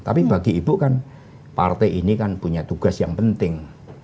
tapi bagi ibu kan partai ini kan punya tugas yang penting